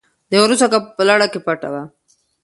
د غره څوکه په لړه کې پټه وه.